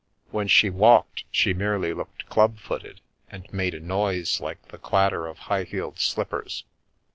When she walked she merely looked club footed and made a noise like the clatter of high heeled slippers.